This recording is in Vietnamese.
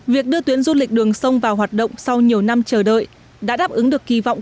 việc đưa tuyến du lịch đường sông vào hoạt động sau nhiều năm chờ đợi đã đáp ứng được kỳ vọng